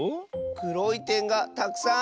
くろいてんがたくさんある！